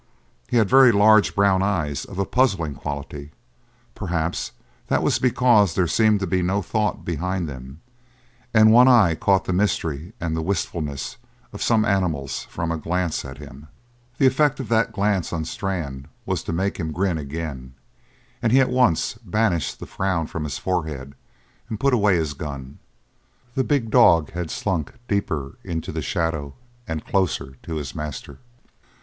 He had very large brown eyes of a puzzling quality; perhaps that was because there seemed to be no thought behind them and one caught the mystery and the wistfulness of some animals from a glance at him. The effect of that glance on Strann was to make him grin again, and he at once banished the frown from his forehead and put away his gun; the big dog had slunk deeper into the shadow and closer to his master.